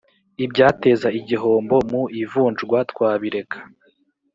ibyateza igihombo mu ivunjwa twabireka